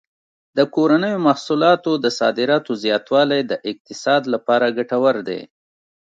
د کورنیو محصولاتو د صادراتو زیاتوالی د اقتصاد لپاره ګټور دی.